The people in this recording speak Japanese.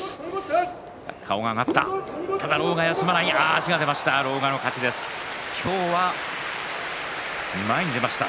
足が出ました。